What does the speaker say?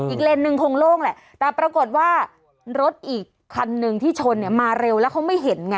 เลนสนึงคงโล่งแหละแต่ปรากฏว่ารถอีกคันหนึ่งที่ชนเนี่ยมาเร็วแล้วเขาไม่เห็นไง